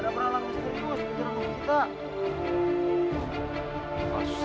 ada beralah muslimus di jaringan kita